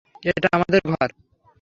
এটা আমাদের ঘর।